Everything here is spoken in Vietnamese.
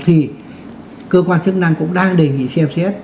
thì cơ quan chức năng cũng đang đề nghị xem xét